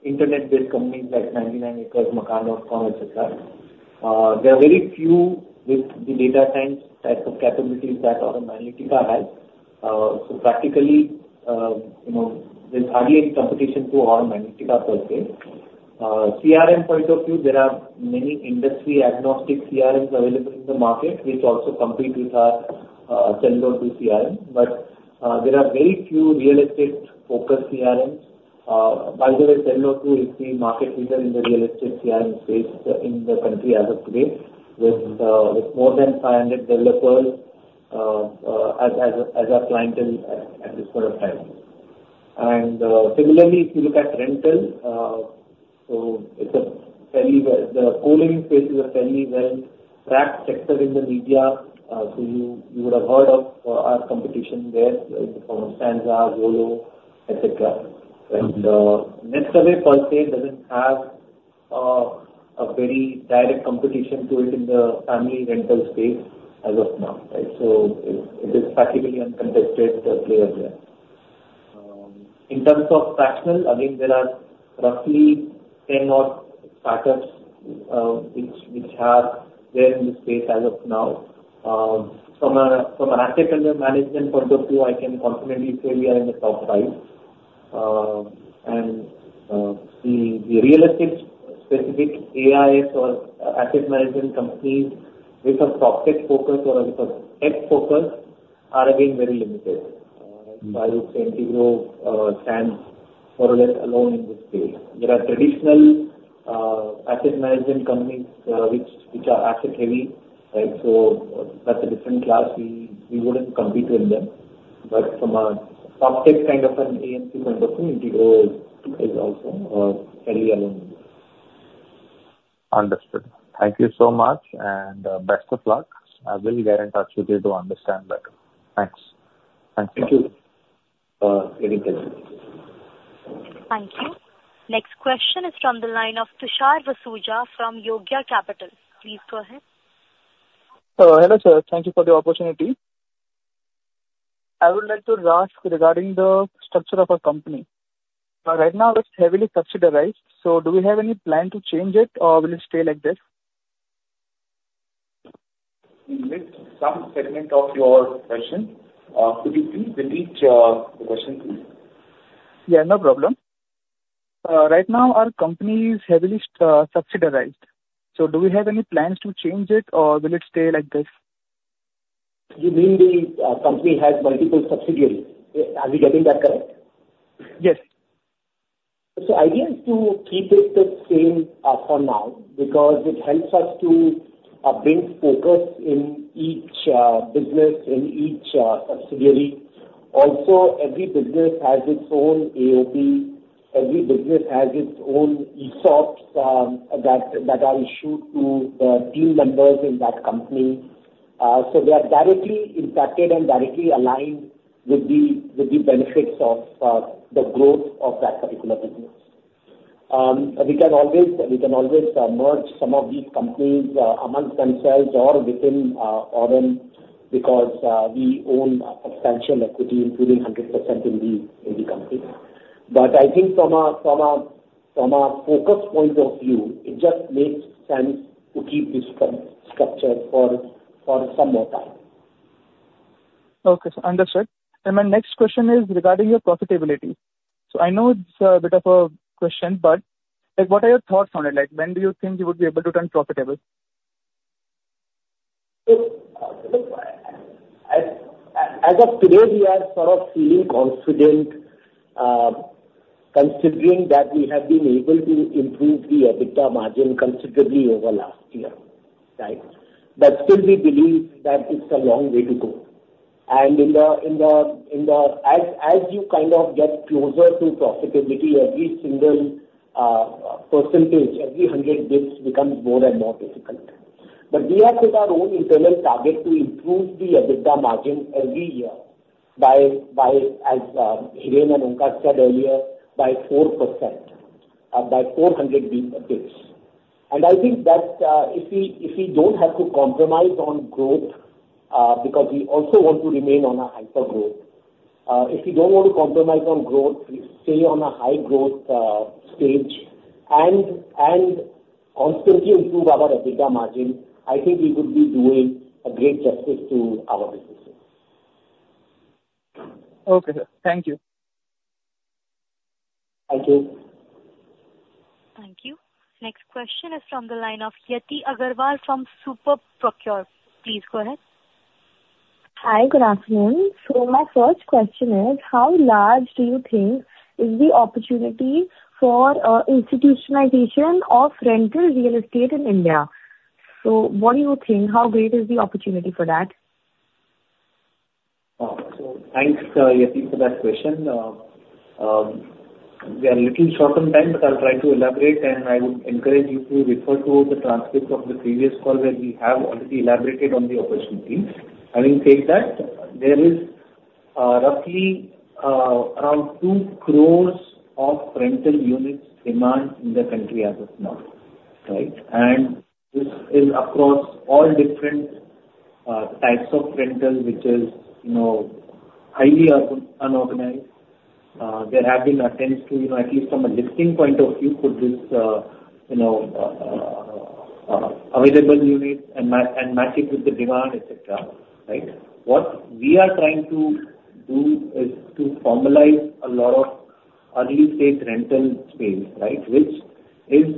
internet-based companies like 99acres, Makaan.com, etc. There are very few with the data science type of capabilities that Aurum Analytica has. So practically, there's hardly any competition to Aurum Analytica per se. CRM point of view, there are many industry-agnostic CRMs available in the market, which also compete with our Sell.Do CRM. But there are very few real estate-focused CRMs. By the way, Sell.Do is the market leader in the real estate CRM space in the country as of today with more than 500 developers as our clientele at this point of time. And similarly, if you look at rental, so it's a fairly co-living space is a fairly well-tracked sector in the media. So you would have heard of our competition there in the form of Stanza, Zolo, etc., right? NestAway per se doesn't have a very direct competition to it in the family rental space as of now, right? So it is practically uncontested player there. In terms of fractional, again, there are roughly 10 odd startups which are there in the space as of now. From an entrepreneur management point of view, I can confidently say we are in the top five. The real estate-specific AIF or asset management companies with a PropTech focus or with a tech focus are, again, very limited, right? I would say Integrow stands more or less alone in this space. There are traditional asset management companies which are asset-heavy, right? That's a different class. We wouldn't compete with them. But from a PropTech kind of an AMC point of view, Integrow is also fairly alone in this. Understood. Thank you so much, and best of luck. I will get in touch with you to understand better. Thanks. Thanks a lot. Thank you. Thank you. Next question is from the line of Tushar Vasuja from Yogya Capital. Please go ahead. Hello, sir. Thank you for the opportunity. I would like to ask regarding the structure of our company. Right now, it's heavily subsidized. So do we have any plan to change it, or will it stay like this? In some segment of your question, could you please repeat the question, please? Yeah, no problem. Right now, our company is heavily subsidized. So do we have any plans to change it, or will it stay like this? You mean the company has multiple subsidiaries. Are we getting that correct? Yes. Idea is to keep it the same for now because it helps us to bring focus in each business, in each subsidiary. Also, every business has its own AOP. Every business has its own ESOPs that are issued to the team members in that company. They are directly impacted and directly aligned with the benefits of the growth of that particular business. We can always merge some of these companies amongst themselves or within Aurum because we own substantial equity, including 100%, in the company. I think from a focus point of view, it just makes sense to keep this structure for some more time. Okay. Understood. And my next question is regarding your profitability. So I know it's a bit of a question, but what are your thoughts on it? When do you think you would be able to turn profitable? So as of today, we are sort of feeling confident considering that we have been able to improve the EBITDA margin considerably over last year, right? But still, we believe that it's a long way to go. And as you kind of get closer to profitability, every single percentage, every 100 basis points, becomes more and more difficult. But we have set our own internal target to improve the EBITDA margin every year by, as Hiren and Onkar said earlier, by 4%, by 400 basis points. And I think that if we don't have to compromise on growth because we also want to remain on a hypergrowth if we don't want to compromise on growth, stay on a high-growth stage, and constantly improve our EBITDA margin, I think we would be doing a great justice to our businesses. Okay, sir. Thank you. Thank you. Thank you. Next question is from the line of Yatee Agarwal from SuperProcure. Please go ahead. Hi. Good afternoon. My first question is, how large do you think is the opportunity for institutionalization of rental real estate in India? What do you think? How great is the opportunity for that? So thanks, Yatee, for that question. We are a little short on time, but I'll try to elaborate. And I would encourage you to refer to the transcript of the previous call where we have already elaborated on the opportunity. Having said that, there is roughly around 2 crore of rental units demand in the country as of now, right? And this is across all different types of rentals, which is highly unorganized. There have been attempts to, at least from a listing point of view, put this available unit and match it with the demand, etc., right? What we are trying to do is to formalize a lot of early-stage rental space, right, which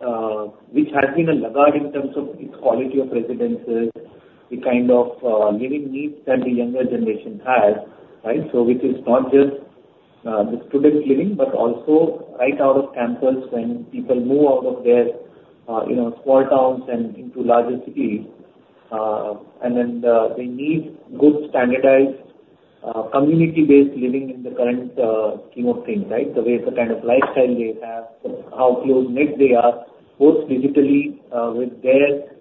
has been a laggard in terms of its quality of residences, the kind of living needs that the younger generation has, right, so which is not just the student living but also right out of campus when people move out of their small towns and into larger cities. And then they need good standardized community-based living in the current scheme of things, right, the kind of lifestyle they have, how close-knit they are, both digitally with their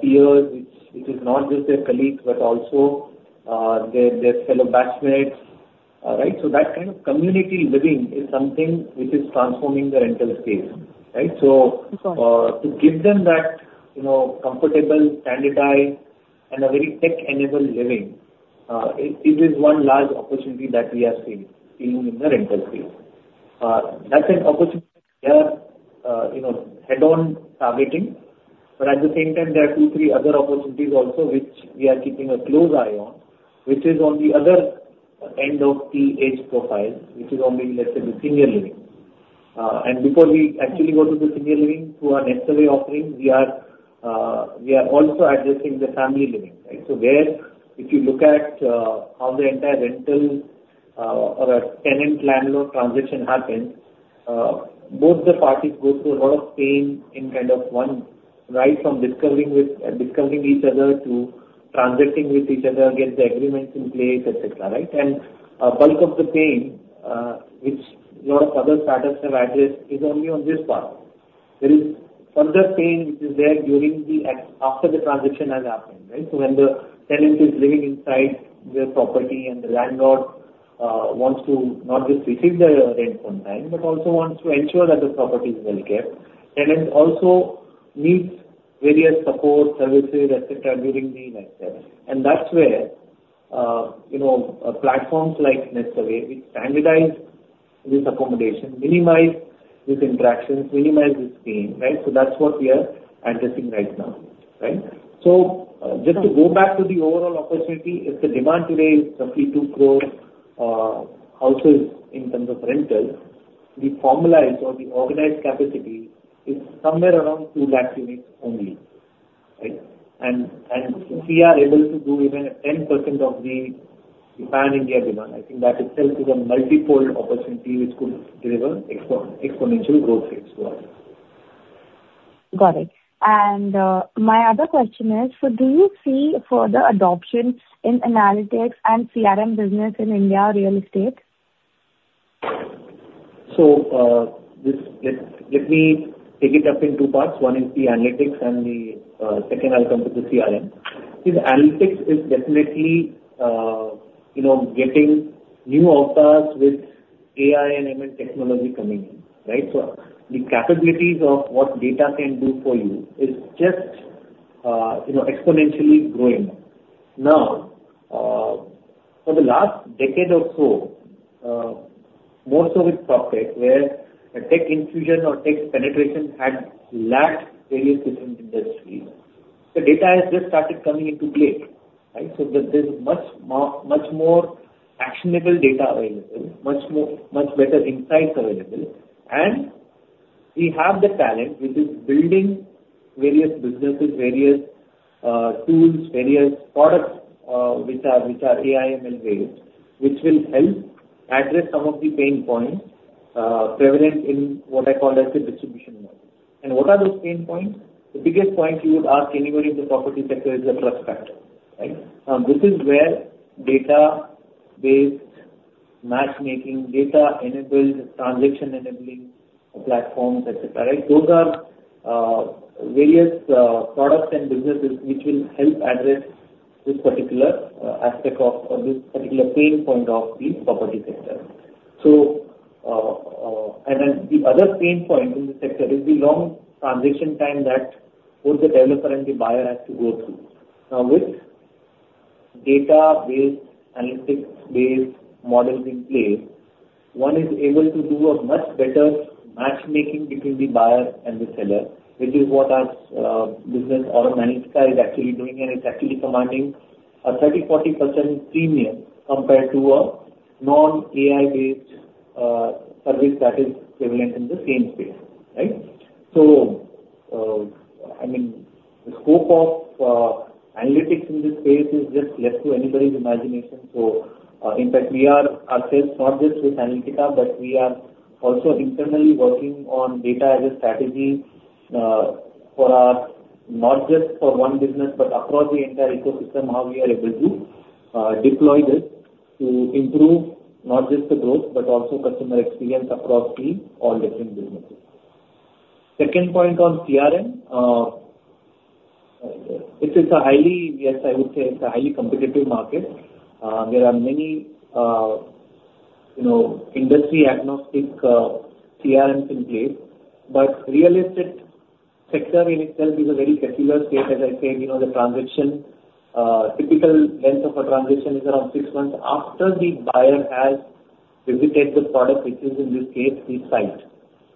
peers, which is not just their colleagues but also their fellow batchmates, right? So that kind of community living is something which is transforming the rental space, right? So to give them that comfortable, standardized, and a very tech-enabled living, it is one large opportunity that we are seeing in the rental space. That's an opportunity. They are head-on targeting. But at the same time, there are two, three other opportunities also which we are keeping a close eye on, which is on the other end of the age profile, which is only, let's say, the senior living. And before we actually go to the senior living through our NestAway offering, we are also addressing the family living, right? So there, if you look at how the entire rental or a tenant-landlord transaction happens, both the parties go through a lot of pain in kind of one right from discovering each other to transacting with each other, get the agreements in place, etc., right? And a bulk of the pain, which a lot of other startups have addressed, is only on this part. There is further pain which is there after the transaction has happened, right? So when the tenant is living inside their property and the landlord wants to not just receive the rent on time but also wants to ensure that the property is well kept, tenant also needs various support services, etc., during the night there. And that's where platforms like NestAway, which standardize this accommodation, minimize these interactions, minimize this pain, right? So that's what we are addressing right now, right? So just to go back to the overall opportunity, if the demand today is roughly 2 crore houses in terms of rental, the formalized or the organized capacity is somewhere around 2 lakh units only, right? And we are able to do even 10% of the pan-India demand. I think that itself is a multiple opportunity which could deliver exponential growth rates to us. Got it. My other question is, do you see further adoption in analytics and CRM business in Indian real estate? So let me take it up in two parts. One is the analytics, and the second, I'll come to the CRM. See, the analytics is definitely getting new pathways with AI and ML technology coming in, right? So the capabilities of what data can do for you is just exponentially growing. Now, for the last decade or so, more so with PropTech where a tech infusion or tech penetration had lagged in various different industries, the data has just started coming into play, right? So there's much more actionable data available, much better insights available. And we have the talent which is building various businesses, various tools, various products which are AI/ML-based, which will help address some of the pain points prevalent in what I call, let's say, distribution market. And what are those pain points? The biggest point you would ask anybody in the property sector is the trust factor, right? This is where data-based matchmaking, data-enabled transaction-enabling platforms, etc., right? Those are various products and businesses which will help address this particular aspect or this particular pain point of the property sector. And then the other pain point in the sector is the long transaction time that both the developer and the buyer have to go through. Now, with data-based, analytics-based models in place, one is able to do a much better matchmaking between the buyer and the seller, which is what our business, Aurum Analytica, is actually doing. And it's actually commanding a 30%-40% premium compared to a non-AI-based service that is prevalent in the same space, right? So I mean, the scope of analytics in this space is just left to anybody's imagination. So in fact, we are ourselves not just with Aurum Analytica, but we are also internally working on data as a strategy not just for one business but across the entire ecosystem, how we are able to deploy this to improve not just the growth but also customer experience across all different businesses. Second point on CRM, it's a highly yes, I would say it's a highly competitive market. There are many industry-agnostic CRMs in place. But real estate sector in itself is a very secular space. As I said, the typical length of a transaction is around six months after the buyer has visited the product, which is, in this case, the site,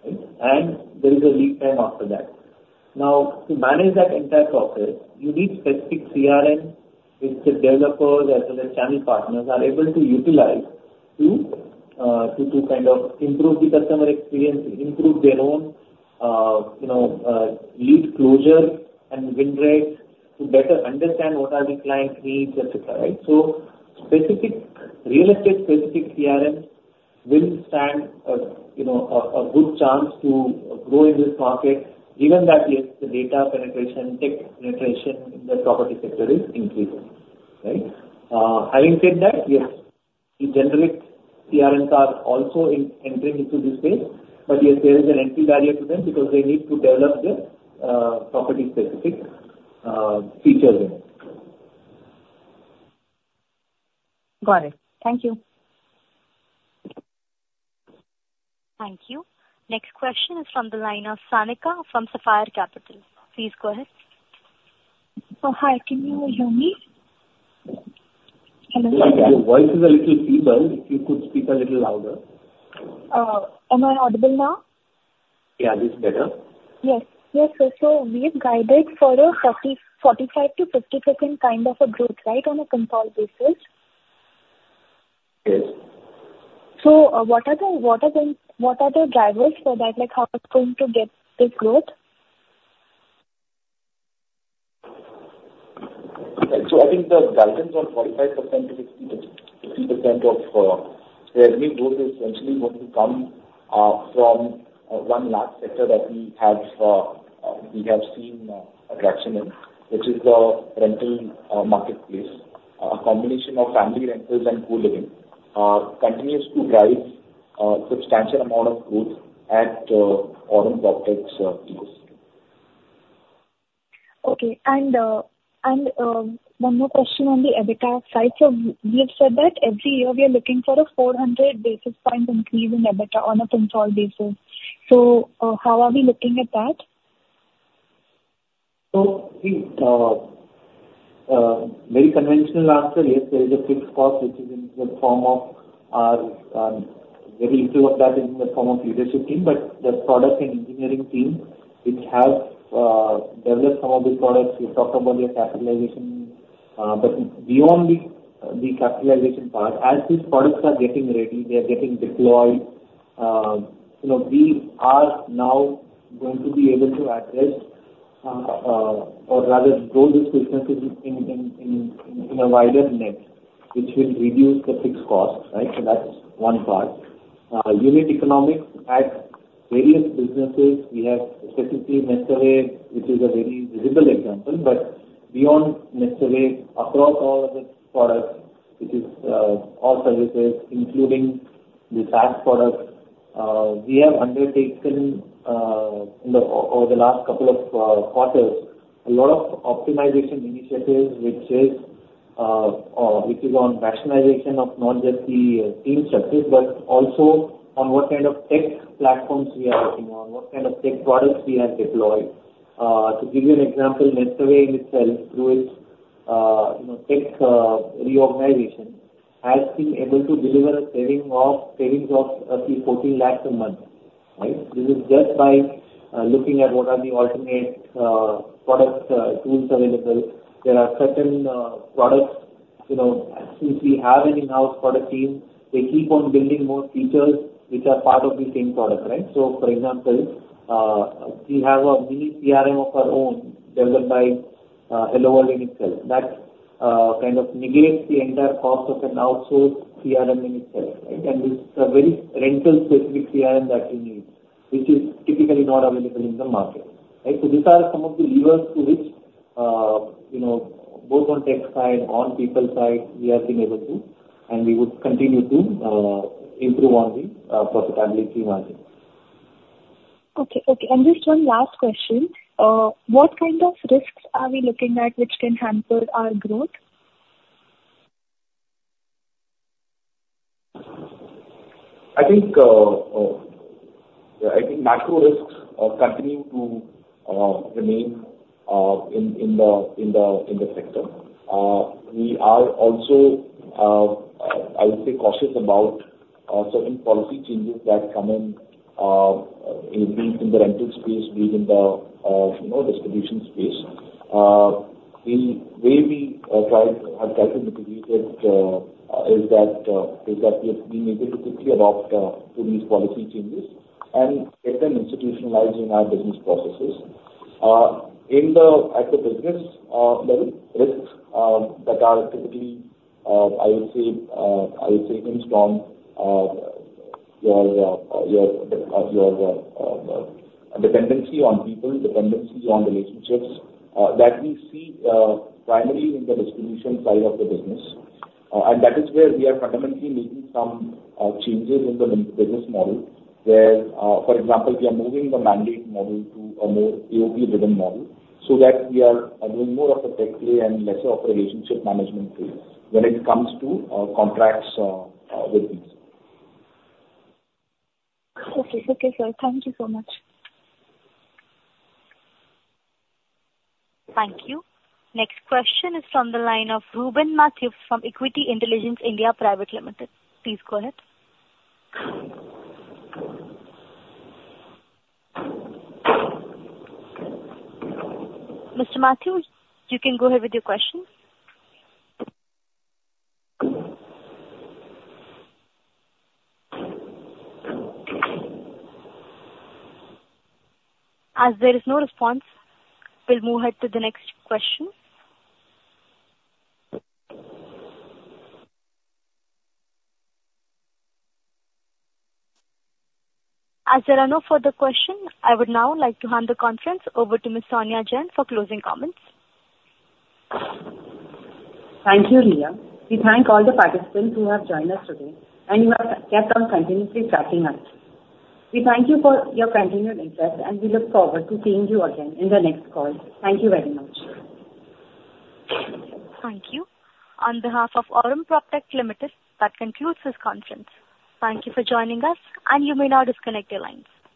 right? And there is a lead time after that. Now, to manage that entire process, you need specific CRM which the developers as well as channel partners are able to utilize to kind of improve the customer experience, improve their own lead closure and win rates to better understand what are the client needs, etc., right? So real estate-specific CRMs will stand a good chance to grow in this market given that, yes, the data penetration, tech penetration in the property sector is increasing, right? Having said that, yes, the generic CRMs are also entering into this space. But yes, there is an entry barrier to them because they need to develop the property-specific features in it. Got it. Thank you. Thank you. Next question is from the line of Sanika from Sapphire Capital. Please go ahead. Hi. Can you hear me? Hello? Your voice is a little feeble. If you could speak a little louder. Am I audible now? Yeah. This is better. Yes. Yes, sir. So we have guided for a 45%-50% kind of a growth, right, on a control basis. Yes. What are the drivers for that? How it's going to get this growth? I think the guidance on 45%-50% revenue growth is essentially going to come from one large sector that we have seen a traction in, which is the rental marketplace. A combination of family rentals and co-living continues to drive a substantial amount of growth at Aurum PropTech's ecosystem. Okay. And one more question on the EBITDA side. So we have said that every year, we are looking for a 400 basis points increase in EBITDA on a control basis. So how are we looking at that? So see, very conventional answer, yes, there is a fixed cost which is in the form of our very little of that is in the form of leadership team. But the product and engineering team, which have developed some of the products, we've talked about their capitalization. But beyond the capitalization part, as these products are getting ready, they are getting deployed, we are now going to be able to address or rather grow these businesses in a wider net which will reduce the fixed cost, right? So that's one part. Unit economics at various businesses, we have specifically NestAway, which is a very visible example. But beyond NestAway, across all of the products, which is all services, including the SaaS products, we have undertaken over the last couple of quarters a lot of optimization initiatives which is on rationalization of not just the team structures but also on what kind of tech platforms we are working on, what kind of tech products we have deployed. To give you an example, NestAway in itself, through its tech reorganization, has been able to deliver savings of roughly 14 lakh a month, right? This is just by looking at what are the alternate product tools available. There are certain products since we have an in-house product team, they keep on building more features which are part of the same product, right? So for example, we have a mini CRM of our own developed by HelloWorld in itself. That kind of negates the entire cost of an outsourced CRM in itself, right? And it's a very rental-specific CRM that we need which is typically not available in the market, right? So these are some of the levers to which both on tech side and on people side, we have been able to and we would continue to improve on the profitability margin. Okay. Okay. Just one last question. What kind of risks are we looking at which can hamper our growth? I think macro risks continue to remain in the sector. We are also, I would say, cautious about certain policy changes that come in, be it in the rental space, be it in the distribution space. The way we have tried to mitigate it is that we have been able to quickly adapt to these policy changes and get them institutionalized in our business processes. At the business level, risks that are typically, I would say, inherent strong dependency on people, dependency on relationships that we see primarily in the distribution side of the business. And that is where we are fundamentally making some changes in the business model where, for example, we are moving the mandate model to a more AOP-driven model so that we are doing more of a tech play and lesser of a relationship management play when it comes to contracts with these. Okay. Okay, sir. Thank you so much. Thank you. Next question is from the line of Reuben Mathews from Equity Intelligence India Private Limited. Please go ahead. Mr. Mathews, you can go ahead with your question. As there is no response, we'll move ahead to the next question. As there are no further questions, I would now like to hand the conference over to Ms. Sonia Jain for closing comments. Thank you, Riya. We thank all the participants who have joined us today, and you have kept on continuously tracking us. We thank you for your continued interest, and we look forward to seeing you again in the next call. Thank you very much. Thank you. On behalf of Aurum PropTech Limited, that concludes this conference. Thank you for joining us, and you may now disconnect your lines.